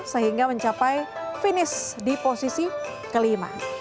sehingga mencapai finish di posisi kelima